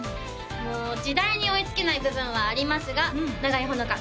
もう時代に追いつけない部分はありますが永井穂花